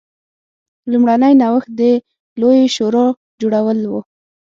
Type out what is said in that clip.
لومړنی نوښت د لویې شورا جوړول و